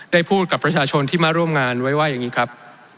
พูดกับประชาชนที่มาร่วมงานไว้ว่าอย่างนี้ครับ